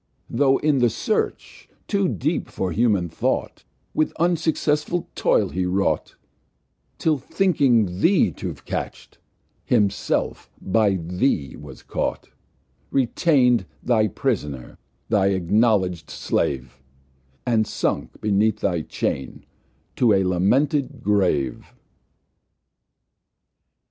Tho' in the Search, too deep for Humane Thought, With unsuccessful Toil he wrought, 'Til thinking Thee to've catch'd, Himself by thee was caught, Retain'd thy Pris'ner, thy acknowleg'd Slave, And sunk beneath thy Chain to a lamented Grave.